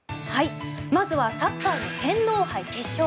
まずはサッカーの天皇杯決勝。